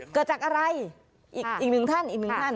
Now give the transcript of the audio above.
เกิดจากอะไรอีกหนึ่งท่านอีกหนึ่งท่าน